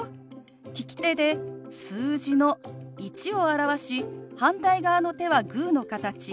利き手で数字の「１」を表し反対側の手はグーの形。